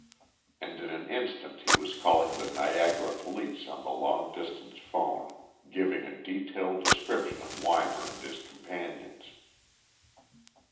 And in an instant he was calling the Niagara police on the long distance phone, giving a detailed description of Weimar and his companions.